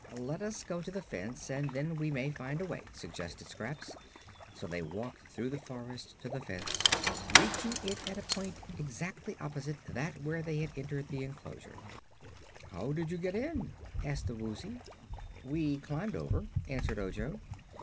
"Let us go to the fence, and then we may find a way," suggested Scraps. So they walked through the forest to the fence, reaching it at a point exactly opposite that where they had entered the enclosure. "How did you get in?" asked the Woozy. "We climbed over," answered Ojo.